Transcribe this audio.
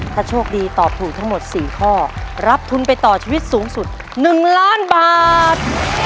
ถ้าโชคดีตอบถูกทั้งหมด๔ข้อรับทุนไปต่อชีวิตสูงสุด๑ล้านบาท